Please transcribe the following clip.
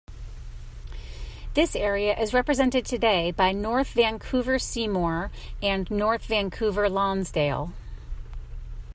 This area is represented today by North Vancouver-Seymour and North Vancouver-Lonsdale.